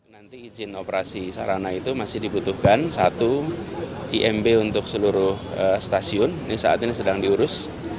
nanti izin operasi sarana itu masih dibutuhkan satu imb untuk seluruh stasiun ini saat ini sedang diurus